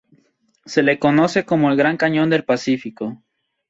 Se le conoce como "El Gran Cañón del Pacífico.